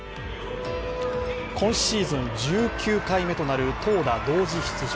今シーズン１９回目となる投打同時出場。